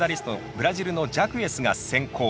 ブラジルのジャクエスが先行。